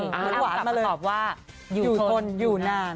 อ้ำกลับมาตอบว่าอยู่ทนอยู่นาน